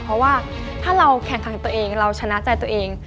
เพราะว่าถ้าเราแข่งขันตัวเองเราชนะใจตัวเอง